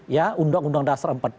ya undang undang dasar empat puluh lima